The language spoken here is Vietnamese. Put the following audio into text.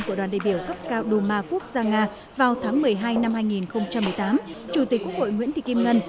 của đoàn đại biểu cấp cao duma quốc gia nga vào tháng một mươi hai năm hai nghìn một mươi tám chủ tịch quốc hội nguyễn thị kim ngân